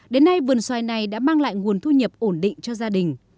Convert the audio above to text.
đến nay vườn xoài này đã mang lại nguồn thu nhập ổn định cho gia đình